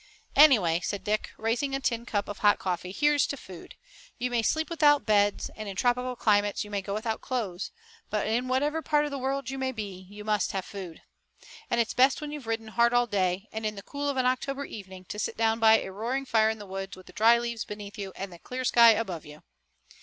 "Any way," said Dick, raising a tin cup of hot coffee, "here's to food. You may sleep without beds, and, in tropical climates, you may go without clothes, but in whatever part of the world you may be, you must have food. And it's best when you've ridden hard all day, and, in the cool of an October evening, to sit down by a roaring fire in the woods with the dry leaves beneath you, and the clear sky above you."